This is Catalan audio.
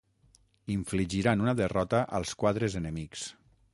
Infligiran una derrota als quadres enemics.